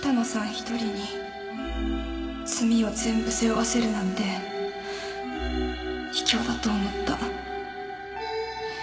一人に罪を全部背負わせるなんて卑怯だと思った。